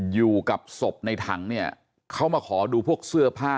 อยู่กับศพในถังเนี่ยเขามาขอดูพวกเสื้อผ้า